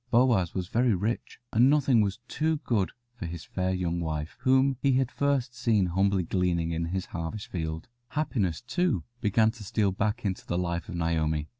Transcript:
Boaz was very rich, and nothing was too good for his fair young wife, whom he had first seen humbly gleaning in his harvest field. Happiness, too, began to steal back into the life of Naomi.